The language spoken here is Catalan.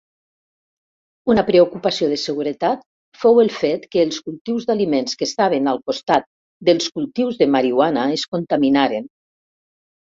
Una preocupació de seguretat fou el fet que els cultius d'aliments que estaven al costat dels cultius de marihuana es contaminaren.